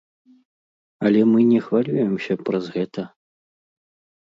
Але мы не хвалюемся праз гэта.